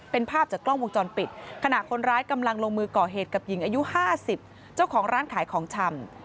เป็นภาพจากกล้องวงจรปิดขณะคนร้ายกำลังลงมือก่อเหตุกับหญิงอายุ๕๐เจ้าของร้านขายของชำ